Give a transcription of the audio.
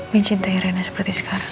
mencintai rina seperti sekarang